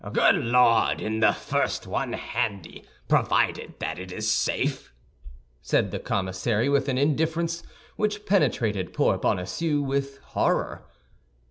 "Good Lord! In the first one handy, provided it is safe," said the commissary, with an indifference which penetrated poor Bonacieux with horror.